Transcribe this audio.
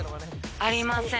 ありません。